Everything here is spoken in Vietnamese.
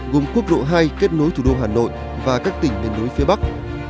gồm quốc lộ hai kết nối thủ đô hà nội và các tỉnh bên đối phía bắc